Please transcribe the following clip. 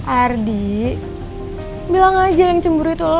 ardi bilang aja yang cemburu itu